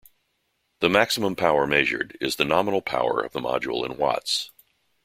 The maximum power measured is the nominal power of the module in Watts.